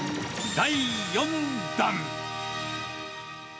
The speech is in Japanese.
第４弾。